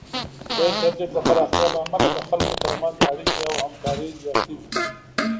د انټرنیټ د پراختیا له امله د خلکو ترمنځ اړیکې او همکاري زیاتېږي.